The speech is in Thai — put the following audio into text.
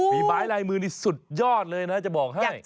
มีมารายลายมือสุดยอดเลยนะจะบอกให้